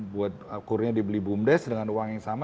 buat kurnya dibeli bumdes dengan uang yang sama